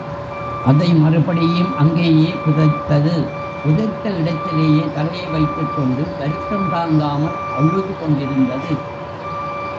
அதை மறுபடியும் அங்கேயே புதைத்தது புதைத்த இடத்திலேயே தலையை வைத்துக்கொண்டு, வருத்தம் தாங்காமல் அழுதுகொண்டிருந்தது.